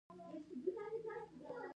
چپرکټ يې روان کړ.